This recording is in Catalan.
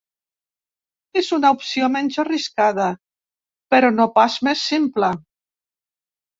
És una opció menys arriscada, però no pas més simple.